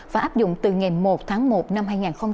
và áp dụng từ ngày một tháng một năm hai nghìn hai mươi